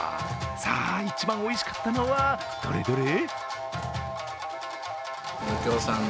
さあ、一番おいしかったのは、どれどれ？